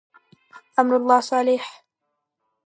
امرالله صالح.